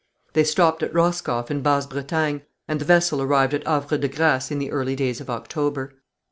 They stopped at Roscoff in Basse Bretagne, and the vessel arrived at Havre de Grâce in the early days of October.